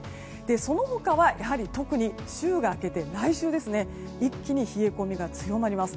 その他は特に週が明けて来週、一気に冷え込みが強まります。